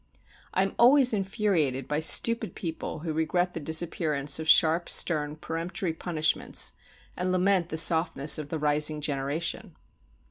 I am always infuriated by stupid people who regret the disappearance of sharp, stern, peremptory punishments, and lament the softness of the rising generation.